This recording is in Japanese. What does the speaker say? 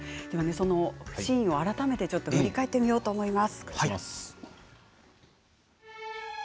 そのシーンを改めて振り返ってみようと思います。